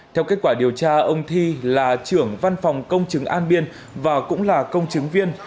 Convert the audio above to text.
theo kết quả điều tra ông thi là trưởng văn phòng công chứng an biên và cũng là công chứng viên